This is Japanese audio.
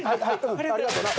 ありがとな。